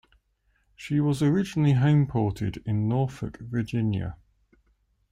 She was originally homeported in Norfolk, Virginia.